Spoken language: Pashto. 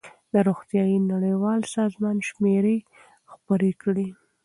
د روغتیا نړیوال سازمان شمېرې خپرې کړې.